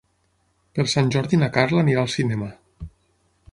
Per Sant Jordi na Carla anirà al cinema.